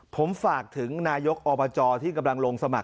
ผมฝากถึงนายกอปจที่กำลังการที่จะตาก